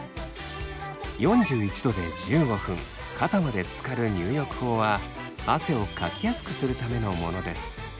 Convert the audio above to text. ４１℃で１５分肩までつかる入浴法は汗をかきやすくするためのものです。